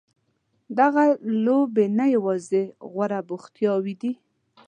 دغه لوبې نه یوازې غوره بوختیاوې دي.